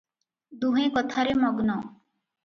ଦୁହେଁ କଥାରେ ମଗ୍ନ ।